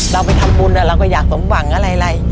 เราไปทำบุญเราก็อยากสมหวังอะไร